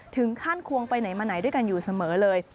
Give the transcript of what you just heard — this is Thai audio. ควงไปไหนมาไหนด้วยกันอยู่เสมอเลย